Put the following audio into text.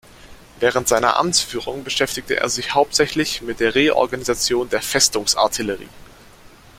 Während seiner Amtsführung beschäftigte er sich hauptsächlich mit der Reorganisation der Festungsartillerie.